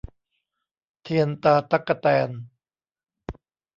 เทียนตาตั๊กแตน